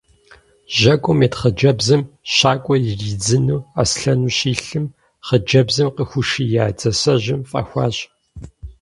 Жьэгум ит хъыджэбзым щӏакӏуэр иридзыну аслъэну щилъым, хъыджэбзым къыхуишия дзасэжьым фӏэхуащ.